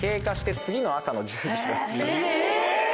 え！